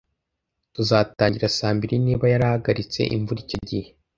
Tuzatangira saa mbiri niba yarahagaritse imvura icyo gihe.